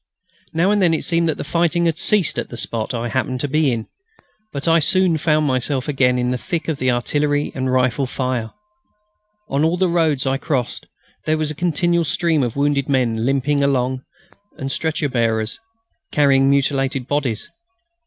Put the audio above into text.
Now and then it seemed that the fighting had ceased at the spot I happened to be in, but I soon found myself again in the thick of the artillery and rifle fire. On all the roads I crossed there was a continual stream of wounded men limping along and stretcher bearers carrying mutilated bodies.